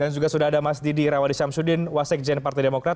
dan juga sudah ada mas didi rawadishamsudin wasekjen partai demokrat